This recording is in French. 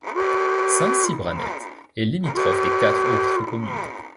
Saint-Cybranet est limitrophe de quatre autres communes.